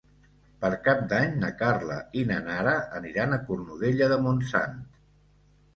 Per Cap d'Any na Carla i na Nara aniran a Cornudella de Montsant.